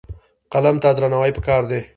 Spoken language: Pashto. قلم ته درناوی پکار دی.